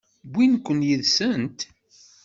Wwint-ken yid-sent?